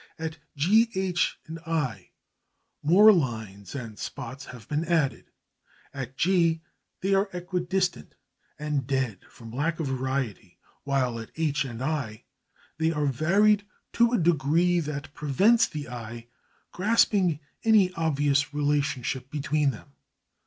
At G, H, I more lines and spots have been added. At G they are equidistant and dead from lack of variety, while at H and I they are varied to a degree that prevents the eye grasping any obvious relationship between them.